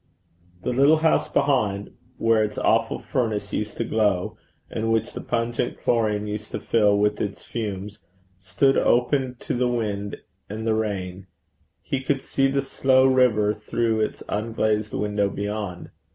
The little house behind, where its awful furnace used to glow, and which the pungent chlorine used to fill with its fumes, stood open to the wind and the rain: he could see the slow river through its unglazed window beyond.